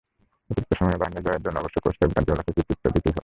অতিরিক্ত সময়েও বায়ার্নের জয়ের জন্য অবশ্য কোচ পেপ গার্দিওলাকে কৃতিত্ব দিতেই হবে।